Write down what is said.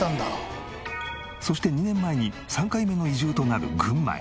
そして２年前に３回目の移住となる群馬へ。